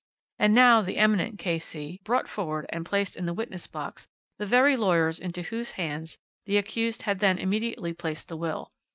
And now the eminent K.C. brought forward and placed in the witness box the very lawyers into whose hands the accused had then immediately placed the will.